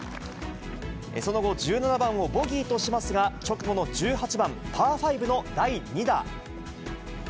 その後、１７番をボギーとしますが、直後の１８番、パー５の第２打。